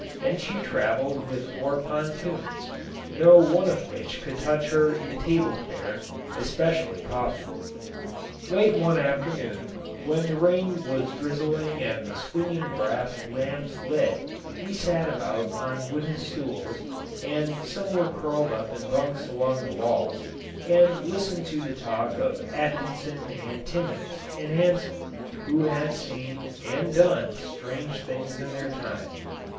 And she traveled with four pontoons, no one of which could touch her in table fare, especially coffee. Late one afternoon, when the rain was drizzling and the swinging brass lamps lit, we sat about on wooden stools (and some were curled up in bunks along the walls) and listened to the talk of Atkinson and Timmans and Hansen, who had seen and done strange things in their time.